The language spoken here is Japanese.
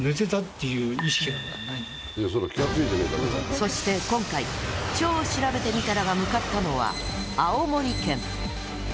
そして今回「超しらべてみたら」が向かったのは青森県！